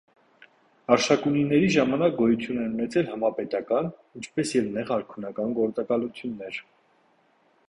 Արշակունիների ժամանակ գոյություն են ունեցել համապետական, ինչպես և նեղ արքունական գործակալություններ։